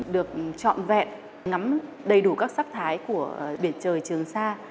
được trọn vẹn ngắm đầy đủ các sắc thái của biển trời trường xa